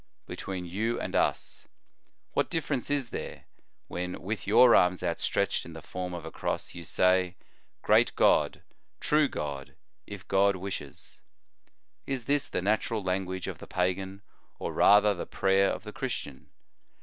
" Between you and us what difference is there, when with your arms outstretched in the form of a cross, you say : Great God, true God, if God wishes ? Is this the natural language of the pagan, or rather the prayer of the Christian